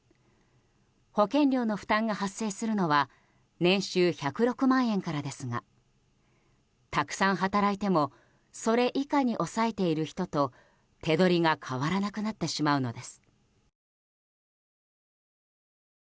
保険料の負担が発生するのは年収１０６万円からですがたくさん働いてもそれ以下に抑えている人と手取りが変わらなくなってしまうのです。